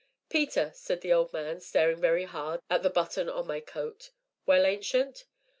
"Peter," said the old man, staring very hard at a button on my coat. "Well, Ancient?"